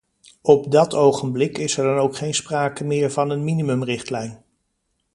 Op dat ogenblik is er dan ook geen sprake meer van een minimumrichtlijn.